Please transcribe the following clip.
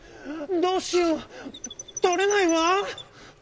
どうしようとれないわ！」。